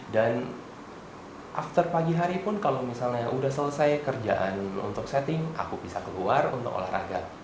dan after pagi hari pun kalau misalnya udah selesai kerjaan untuk setting aku bisa keluar untuk olahraga